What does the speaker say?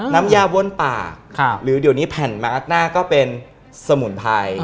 น้ำยาบ้วนปากหรือเดี๋ยวนี้แผ่นมาร์คหน้าก็เป็นสมุนไพร